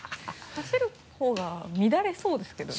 走る方が乱れそうですけどね。